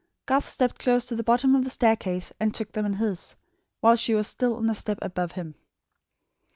Garth stepped close to the bottom of the staircase and took them in his, while she was still on the step above him.